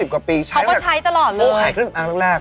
เขาก็ใช้ตลอดเลยโก้ขายครึ่งอันตรงแรก